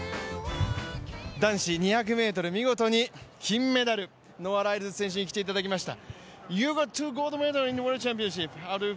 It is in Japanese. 男子２００ｍ見事に金メダル、ノア・ライルズ選手に来てもらいました。